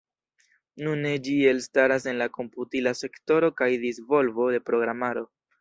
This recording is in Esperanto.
Nune, ĝi elstaras en la komputila sektoro kaj disvolvo de programaro.